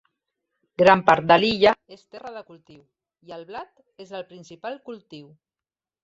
Gran part de l'illa és terra de cultiu, i el blat és el principal cultiu.